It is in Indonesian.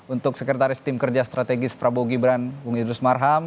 untuk sekretaris tim kerja strategis prabowo gibran bung idrus marham